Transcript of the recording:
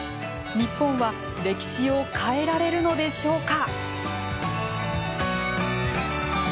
日本は歴史を変えられるのでしょうか。